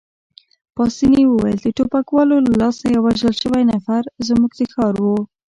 پاسیني وویل: د ټوپکوالو له لاسه یو وژل شوی نفر، زموږ د ښار وو.